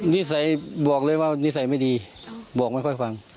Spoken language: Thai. นิสัยบอกเลยว่านิสัยไม่ดีบอกไม่ค่อยฟัง